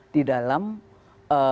di dalam proses